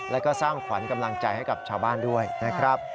แล้วก็สร้างขวัญกำลังใจให้กับชาวบ้านด้วยนะครับ